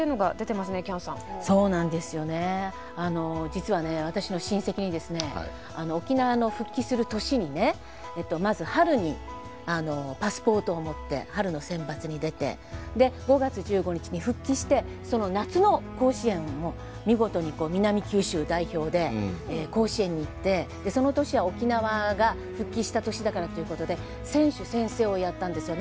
実は私の親戚に沖縄の復帰する年にまず春にパスポートを持って春のセンバツに出て５月１５日に復帰してその夏の甲子園も見事に南九州代表で甲子園に行ってその年は沖縄が復帰した年だからっていうことで選手宣誓をやったんですよ。